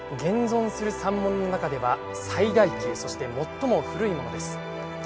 現存する三門の中では最大級そして最も古いものです。